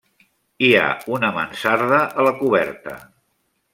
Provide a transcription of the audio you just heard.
Hi ha una mansarda a la coberta.